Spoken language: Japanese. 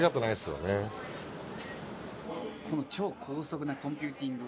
この超高速なコンピューティングを。